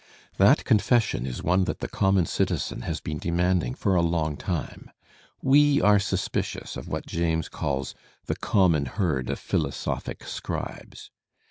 '* That confession is one that the common citizen has been demanding for a long time. We are suspicious of what James calls "the common herd of philosophic scribes."